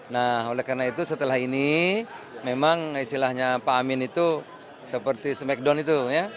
nah oleh karena itu setelah ini memang istilahnya pak amin itu seperti smackdown itu